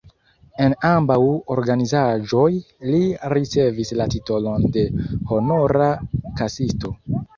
En ambaŭ organizaĵoj li ricevis la titolon de Honora Kasisto.